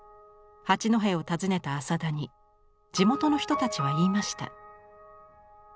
八戸を訪ねた浅田に地元の人たちは言いました。